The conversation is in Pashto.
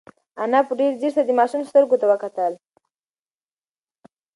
انا په ډېر ځير سره د ماشوم سترګو ته وکتل.